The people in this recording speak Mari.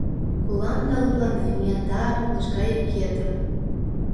Колам да лыпланем Яндар, лыжга йӱкетым.